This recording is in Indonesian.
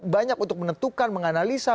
banyak untuk menentukan menganalisa